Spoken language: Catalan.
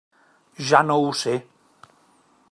Ja no ho sé.